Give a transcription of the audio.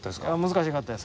難しかったです。